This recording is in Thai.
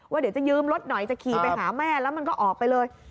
เดี๋ยวจะยืมรถหน่อยจะขี่ไปหาแม่แล้วมันก็ออกไปเลย